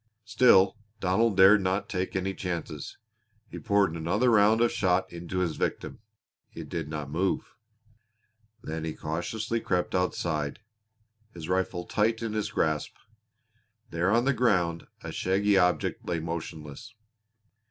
Still Donald dared not take any chances. He poured another round of shot into his victim. It did not move. Then cautiously he crept outside, his rifle tight in his grasp. There on the ground a shaggy object lay motionless.